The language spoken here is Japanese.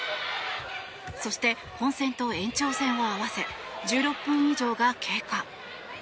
そして、本戦と延長戦を合わせ１６分以上が経過。